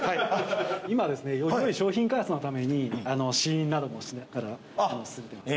今はですねより良い商品開発のために試飲などもしながら進めてます。